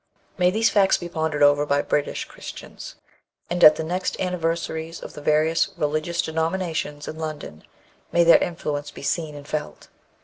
May these facts be pondered over by British Christians, and at the next anniversaries of the various religious denominations in London may their influence be seen and felt!